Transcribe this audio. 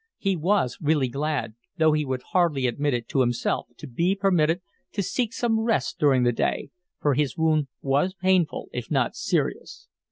He was really glad, though he would hardly admit it to himself, to be permitted to seek some rest during the day, for his wound was painful, if not serious.